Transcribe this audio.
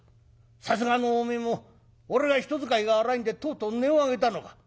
さすがのおめえも俺が人使いが荒いんでとうとう音を上げたのか？」。